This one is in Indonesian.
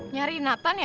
ngeri nathan ya